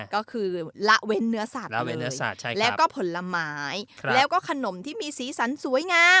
ก็คือละเว้นเนื้อสัตว์แล้วก็ผลไม้แล้วก็ขนมที่มีสีสันสวยงาม